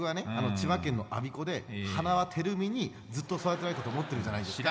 千葉県の我孫子で塙テルミにずっと育てられたと思ってるじゃないですか。